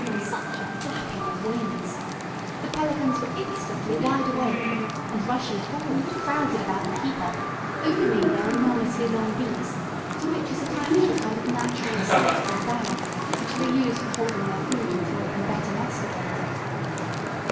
Such a flapping of wings! The pelicans were instantly wide awake, and, rushing forward, crowded about the keeper, opening their enormously long beaks, to which is attached a kind of natural sack or bag which they use for holding their food until they can better masticate it.